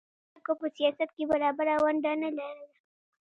ټولو خلکو په سیاست کې برابره ونډه نه لرله